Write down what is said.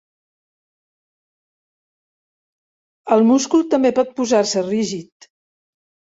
El múscul també pot posar-se rígid.